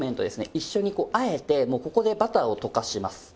一緒にこうあえてもうここでバターを溶かします。